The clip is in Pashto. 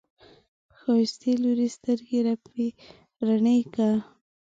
ښايستې لورې، سترګې رڼې که!